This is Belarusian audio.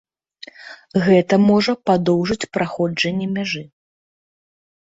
Гэта можа падоўжыць праходжанне мяжы.